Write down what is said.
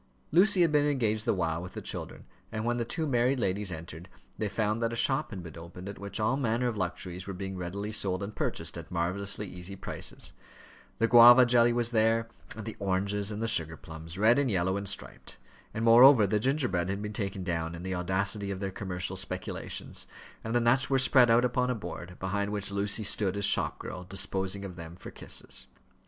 Lucy had been engaged the while with the children, and when the two married ladies entered, they found that a shop had been opened at which all manner of luxuries were being readily sold and purchased at marvellously easy prices; the guava jelly was there, and the oranges, and the sugar plums, red and yellow and striped; and, moreover, the gingerbread had been taken down in the audacity of their commercial speculations, and the nuts were spread out upon a board, behind which Lucy stood as shop girl, disposing of them for kisses.